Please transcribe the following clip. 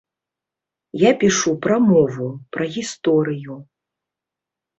Я пішу пра мову, пра гісторыю.